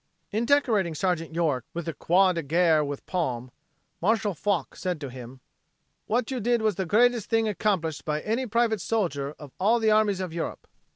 In decorating Sergeant York with the Croix de Guerre with Palm, Marshal Foch said to him: "What you did was the greatest thing accomplished by any private soldier of all of the armies of Europe."